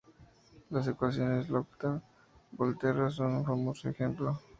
Las ecuaciones Lotka–Volterra son un famoso ejemplo.